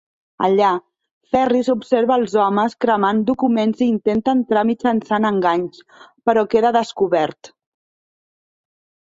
Allà, Ferris observa els homes cremant documents i intenta entrar mitjançant enganys, però queda descobert.